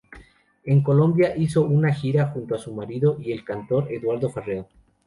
En Colombia hizo una gira junto a su marido y el cantor Eduardo Farrell.